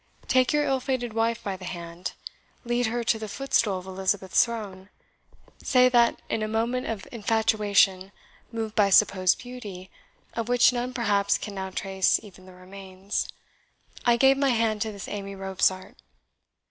Take your ill fated wife by the hand, lead her to the footstool of Elizabeth's throne say that in a moment of infatuation, moved by supposed beauty, of which none perhaps can now trace even the remains, I gave my hand to this Amy Robsart.